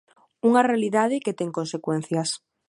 Unha realidade que ten consecuencias.